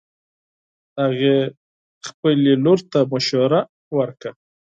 هغې خبلې لور ته مشوره ورکړه